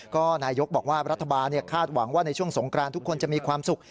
ก็นายกบอกว่ารัฐบาลคาดหวังว่าในช่วงสงกรานทุกคนจะมีความสุข